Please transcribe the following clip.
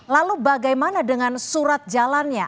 lalu bagaimana dengan surat jalannya